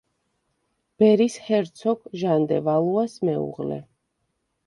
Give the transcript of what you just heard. ბერის ჰერცოგ ჟან დე ვალუას მეუღლე.